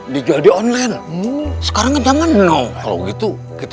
dijual di online sekarang jangan no kalau gitu kita